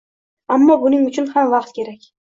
Ammo buning uchun ham vaqt kerak